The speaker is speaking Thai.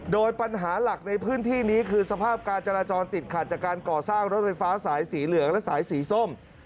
โดยปัญหาหลักในพื้นที่นี้คือสภาพการจราจรติดขัดจากการก่อสร้างรถไฟฟ้าสายสีเหลืองและสายสีส้ม